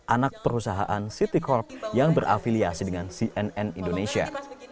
anak perusahaan city corp yang berafiliasi dengan cnn indonesia